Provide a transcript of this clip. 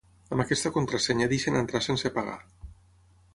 Amb aquesta contrasenya deixen entrar sense pagar.